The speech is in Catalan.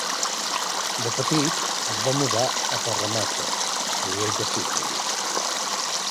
De petit, es va mudar a Parramatta, a l'oest de Sydney.